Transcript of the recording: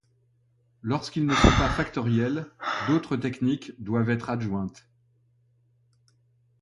Lorsqu'ils ne sont pas factoriels, d'autres techniques doivent être adjointes.